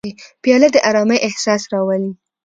پیاله د ارامۍ احساس راولي.